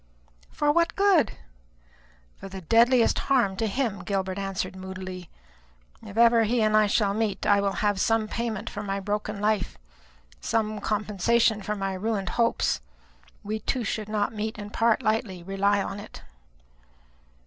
"For what good?" "For the deadliest harm to him," Gilbert answered moodily. "If ever he and I meet, I will have some payment for my broken life; some compensation for my ruined hopes. We two should not meet and part lightly, rely upon it."